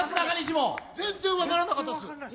全然分からなかったです。